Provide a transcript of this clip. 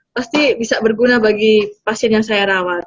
pasti bisa berguna bagi pasien yang saya rawat